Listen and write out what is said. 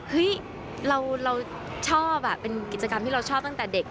เราชอบเป็นกิจกรรมที่เราชอบตั้งแต่เด็ก